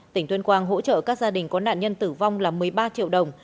tỉnh tuyên quang hỗ trợ các gia đình có nạn nhân tử vong là một mươi ba triệu đồng